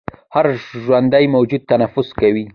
هر ژوندی موجود تنفس کوي